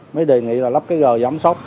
mới đề nghị lắp cái g giảm tốc